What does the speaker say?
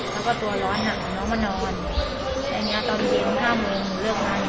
แล้วก็ตัวร้อนหักน้องมานอนอย่างเงี้ยตอนนี้ห้าเมืองหนูเลือกมา